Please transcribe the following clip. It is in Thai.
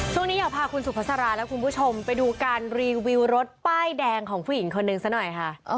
ช่วงนี้อยากพาคุณสุภาษาราและคุณผู้ชมไปดูการรีวิวรถป้ายแดงของผู้หญิงคนหนึ่งซะหน่อยค่ะ